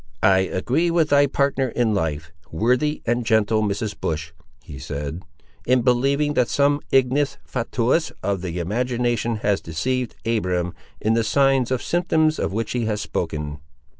"I agree with thy partner in life, worthy and gentle Mrs. Bush," he said, "in believing that some ignis fatuus of the imagination has deceived Abiram, in the signs or symptoms of which he has spoken."